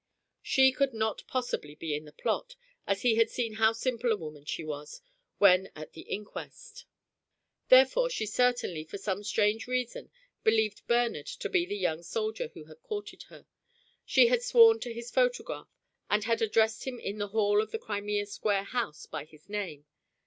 She could not possibly be in the plot, as he had seen how simple a woman she was when at the inquest. Therefore she certainly, for some strange reason, believed Bernard to be the young soldier who had courted her. She had sworn to his photograph, and had addressed him in the hall of the Crimea Square house by his name.